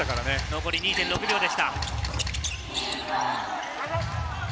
残り２．６秒でした。